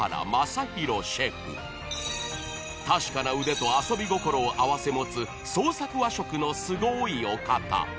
［確かな腕と遊び心を併せ持つ創作和食のすごいお方］